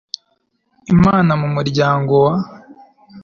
imana mu muryango wa